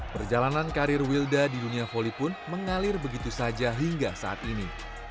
perjalanan karir wilda di dunia volley pun mengalir begitu saja hingga saat ini